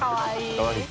かわいい。